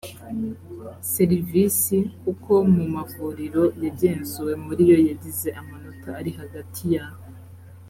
serivisi kuko mu mavuriro yagenzuwe muri yo yagize amanota ari hagati ya